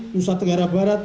nusa tenggara barat